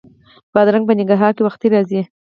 بادرنګ په ننګرهار کې وختي راځي